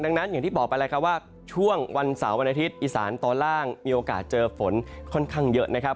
ดังนั้นอย่างที่บอกไปแล้วครับว่าช่วงวันเสาร์วันอาทิตย์อีสานตอนล่างมีโอกาสเจอฝนค่อนข้างเยอะนะครับ